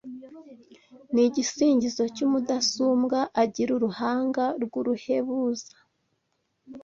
Ni igisingizo cy’umudasumbwa Agira uruhanga rw’uruhebuza